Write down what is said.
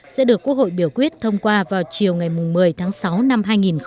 sẽ được quốc hội biểu quyết thông qua vào chiều ngày một mươi tháng sáu năm hai nghìn hai mươi